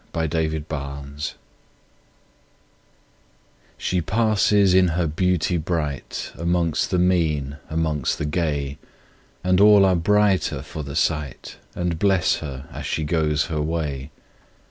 1840 The Secret SHE passes in her beauty brightAmongst the mean, amongst the gay, And all are brighter for the sight, And bless her as she goes her way.